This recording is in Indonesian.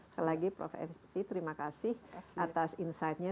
apalagi prof envy terima kasih atas insight nya